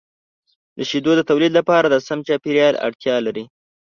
د شیدو د تولید لپاره د سم چاپیریال اړتیا لري.